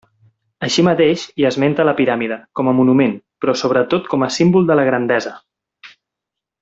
Així mateix, hi esmenta la piràmide, com a monument, però sobretot com a símbol de la grandesa.